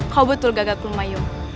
kau betul gagakul mayu